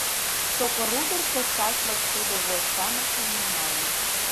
Сокырудыр кочшашлык шудо вож-шамычым нумалын.